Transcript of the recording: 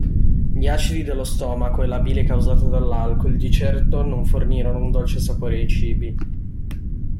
Gli acidi dello stomaco e la bile causata dall'alcol di certo non fornirono un dolce sapore ai cibi.